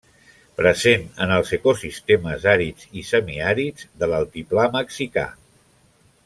Present en els ecosistemes àrids i semiàrids de l'altiplà mexicà.